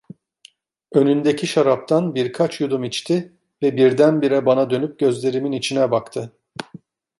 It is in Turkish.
Önündeki şaraptan birkaç yudum içti ve birdenbire bana dönüp gözlerimin içine baktı.